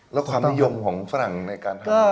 แล้วความนิยมของฝรั่งในการทำ